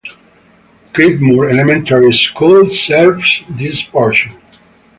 Creedmoor Elementary School serves this portion.